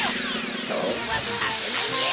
そうはさせないニャ！